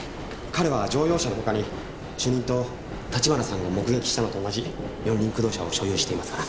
彼は乗用車の他に主任と立花さんが目撃したのと同じ四輪駆動車を所有していますから。